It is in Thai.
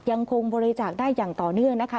ยังคงบริจาคได้อย่างต่อเนื่องนะคะ